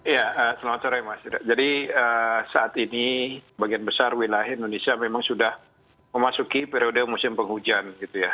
ya selamat sore mas jadi saat ini bagian besar wilayah indonesia memang sudah memasuki periode musim penghujan